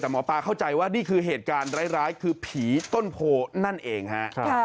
แต่หมอปลาเข้าใจว่านี่คือเหตุการณ์ร้ายคือผีต้นโพนั่นเองฮะ